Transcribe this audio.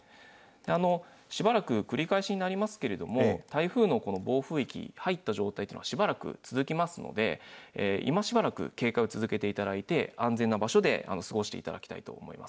しばらく繰り返しになりますけども、台風の暴風域入った状態というのはしばらく続きますので、今しばらく警戒を続けていただいて、安全な場所で過ごしていただきた